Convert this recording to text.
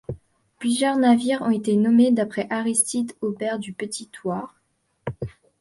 Plusieurs navires ont été nommées d'après Aristide Aubert du Petit-Thouars.